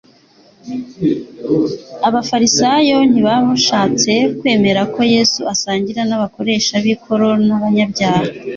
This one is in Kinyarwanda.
Abafarisayo ntibashatse kwemera ko Yesu asangira n'abakoresha b'ikoro n'abanyabyaha